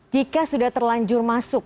jika sudah terlanjur masuk